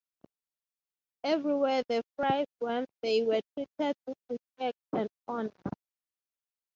Everywhere the friars went they were treated with respect and honor.